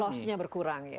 loss nya berkurang ya